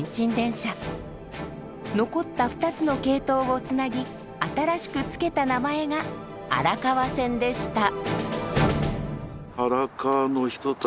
残った２つの系統をつなぎ新しくつけた名前が荒川線でした。